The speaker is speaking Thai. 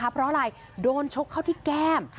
เพราะอะไรโดนชกเข้าที่แก้ม